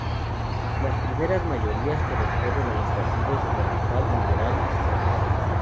Las primeras mayorías corresponden a los partidos Radical, Liberal y Conservador.